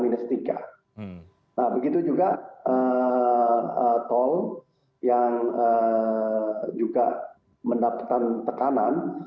nah begitu juga tol yang juga mendapatkan tekanan